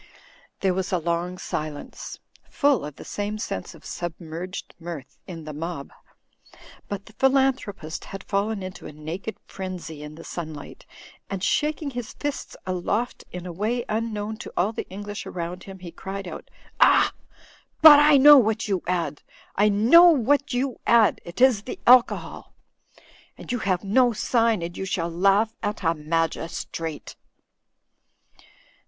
There was a long silence, full of the same sense of submerged mirth in the mob. But the philanthropist had fallen into a naked frenzy in the sunlight, and shaking his fists aloft in a way unknown to all the English around him, he cried out: "Ach ! but I know what you add ! I know what you add ! It is the Alcohol !' And you have no sign and you shall laugh at a magistrate."